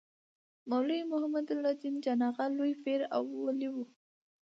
مولوي محي الدین جان اغا لوی پير او ولي و.